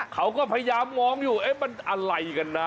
เขาก็พยายามมองอยู่เอ๊ะมันอะไรกันนะ